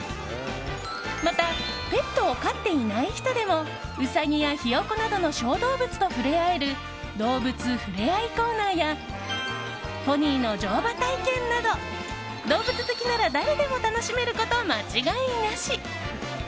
またペットを飼っていない人でもウサギやヒヨコなどの小動物と触れ合える動物ふれあいコーナーやポニーの乗馬体験など動物好きなら誰でも楽しめること間違いなし！